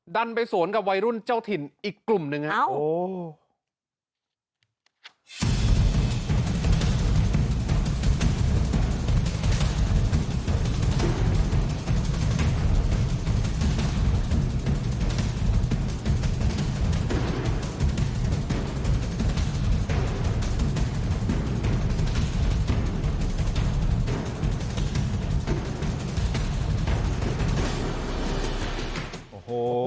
ดันไปสวนกับวัยรุ่นเจ้าถิ่นอีกกลุ่มหนึ่งครับ